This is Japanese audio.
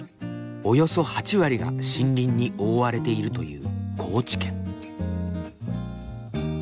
およそ８割が森林に覆われているという高知県。